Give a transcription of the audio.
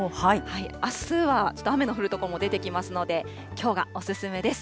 あすはちょっと雨の降る所も出てきますので、きょうがお勧めです。